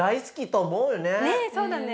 そうだね。